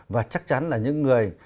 và chắc chắn là những người